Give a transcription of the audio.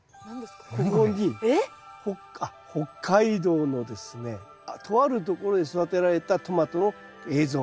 ここに北海道のですねとあるところで育てられたトマトの映像があります。